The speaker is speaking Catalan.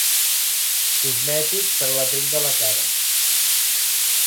Cosmètic per a la pell de la cara.